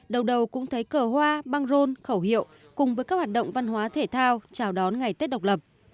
đầu đầu cũng thấy cờ hoa băng rôn khẩu hiệu cùng với các hoạt động văn hóa thể thao chào đón ngày tết độc lập